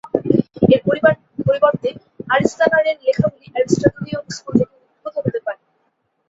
এর পরিবর্তে, আরিস্তানারের লেখাগুলি অ্যারিস্টটলীয় স্কুল থেকে উদ্ভূত হতে পারে।